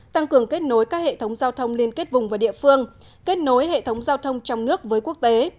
tăng cường kết nối các hệ thống giao thông liên kết vùng và địa phương kết nối hệ thống giao thông trong nước với quốc tế